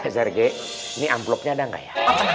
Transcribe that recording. sergei ini amplopnya ada gak ya